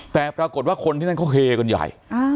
แต่ปรากฏว่าคนที่นั่นเขาเฮกันใหญ่